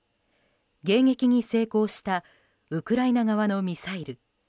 迎撃に成功したウクライナ側のミサイル。